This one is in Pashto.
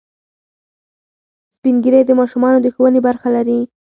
سپین ږیری د ماشومانو د ښوونې برخه لري